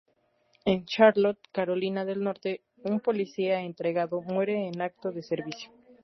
En Charlotte, Carolina del Norte, un policía entregado muere en acto de servicio.